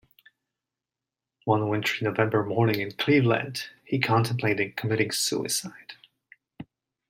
One wintry November morning in Cleveland, he contemplated committing suicide.